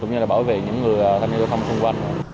cũng như là bảo vệ những người tham gia giao thông xung quanh